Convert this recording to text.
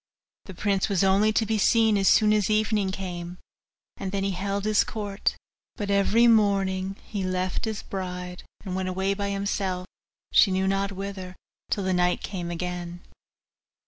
The prince was only to be seen as soon as evening came, and then he held his court; but every morning he left his bride, and went away by himself, she knew not whither, till the night came again.